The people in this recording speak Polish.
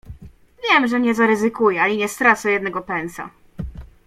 "Wiem, że nie zaryzykuję ani nie stracę jednego pensa."